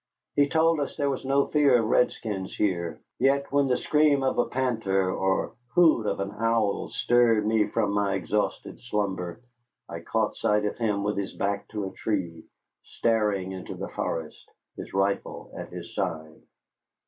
He told us there was no fear of redskins here, yet, when the scream of a painter or the hoot of an owl stirred me from my exhausted slumber, I caught sight of him with his back to a tree, staring into the forest, his rifle at his side.